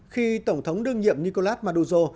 khi tổng thống đương nhiệm nicolás maduro